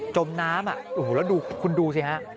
จมน้ำแล้วคุณดูใช่ไหมฮะ